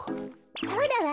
そうだわ。